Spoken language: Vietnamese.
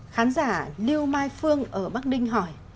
khán giả liêu mai phương ở bắc đinh hỏi